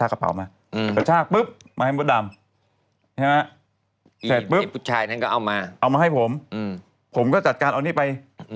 อ่าไปเสร็จปุ๊บ